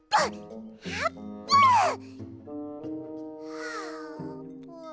あーぷん。